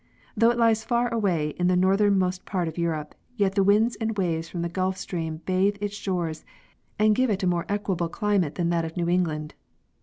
Though it lies far away in the northernmost part of Europe, yet the winds and waves from the Gulf stream bathe its shores and give it a more equable climate than that of New England.